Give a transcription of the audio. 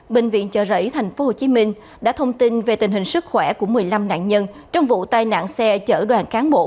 bệnh viện chợ rẫy tp hcm đã thông tin về tình hình sức khỏe của một mươi năm nạn nhân trong vụ tai nạn xe chở đoàn cán bộ